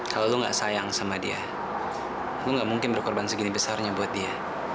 kalau lo gak sayang sama dia lo gak mungkin berkorban segini besarnya buat dia